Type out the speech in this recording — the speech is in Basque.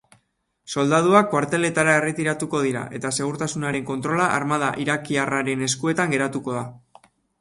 Soldaduak kuarteletara erretiratuko dira, eta segurtasunaren kontrola armada irakiarraren eskuetan geratuko da.